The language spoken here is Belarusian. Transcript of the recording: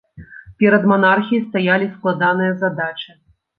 Перад манархіяй стаялі складаныя задачы.